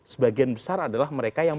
sebagian besar adalah mereka yang